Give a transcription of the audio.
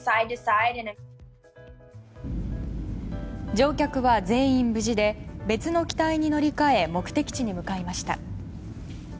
乗客は全員無事で別の機体に乗り換え目的地に向かいました。